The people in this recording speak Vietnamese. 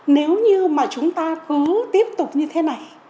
nếu như mà chúng ta cứ tiếp tục như thế này